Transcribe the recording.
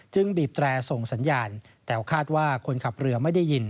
บีบแตรส่งสัญญาณแต่คาดว่าคนขับเรือไม่ได้ยิน